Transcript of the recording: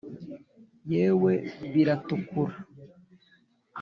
yewe biratukura !